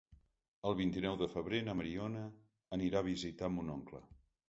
El vint-i-nou de febrer na Mariona anirà a visitar mon oncle.